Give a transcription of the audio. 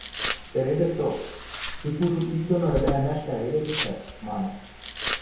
Тӹредӹкток, ти кужы ӱп доно ӹдӹрӓмӓшлӓ веле чучат. – маныт.